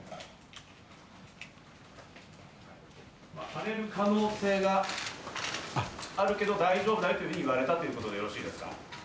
荒れる可能性があるけど大丈夫だというふうに言われたということでよろしいですか？